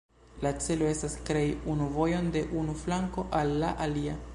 La celo estas krei unu vojon de unu flanko al la alia.